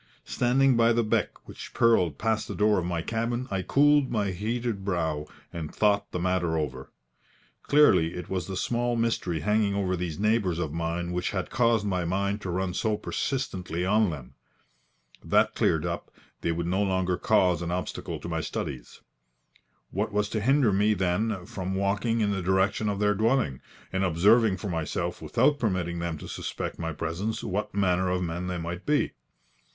Standing by the beck which purled past the door of my cabin, I cooled my heated brow, and thought the matter over. Clearly it was the small mystery hanging over these neighbours of mine which had caused my mind to run so persistently on them. That cleared up, they would no longer cause an obstacle to my studies. What was to hinder me, then, from walking in the direction of their dwelling, and observing for myself, without permitting them to suspect my presence, what manner of men they might be?